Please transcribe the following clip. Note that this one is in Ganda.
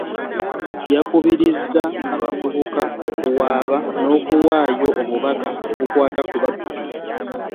Yakubirizza abavubuka okuwaaba n'okuwaayo obubaka obukwata ku babbi.